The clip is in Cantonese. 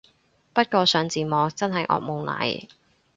不過上字幕真係惡夢嚟